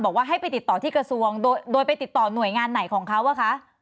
บอกว่าให้ไปติดต่อที่กระทรวงโดยไปติดต่อหน่วยงานไหนของเขาอ่ะคะ